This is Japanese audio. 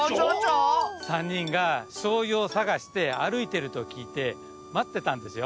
さんにんがしょうゆをさがしてあるいてるときいてまってたんですよ。